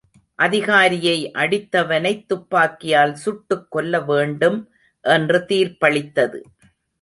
அதிகாரியை அடித்தவனைத் துப்பாக்கியால் சுட்டுக் கொல்லவேண்டும் என்று தீர்ப்பளித்தது.